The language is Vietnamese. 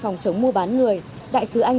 phòng chống mua bán người đại sứ anh